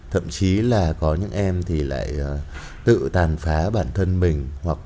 thậm chí là có những em thì lại tự tàn phá bản thân mình hoặc